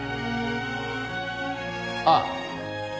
ああ！